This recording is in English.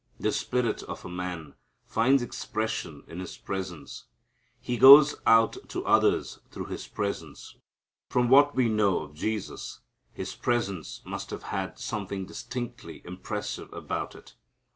The spirit of a man finds expression in his presence. He goes out to others through his presence. From what we know of Jesus His presence must have had something distinctly impressive about it.